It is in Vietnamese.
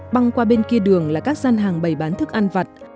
băng qua bên kia đường là các gian hàng bày bán thức ăn vặt